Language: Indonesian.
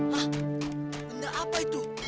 hah benda apa itu